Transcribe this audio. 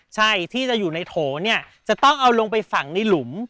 ใช่ที่จะอยู่ในโถเนี่ยจะต้องเอาลงไปฝังในหลุม